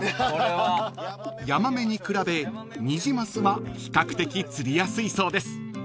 ［ヤマメに比べニジマスは比較的釣りやすいそうです］